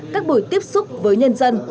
các buổi tiếp xúc với nhân dân